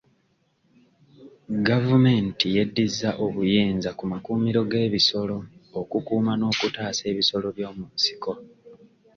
Gavumenti yeddiza obuyinza ku makuumiro g'ebisolo okukuuma n'okutaasa ebisolo by'omu nsiko.